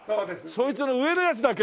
そいつの上のやつだけ。